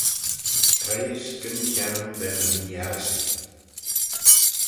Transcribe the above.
Treihys gyn-kione da ny mee-arryssee.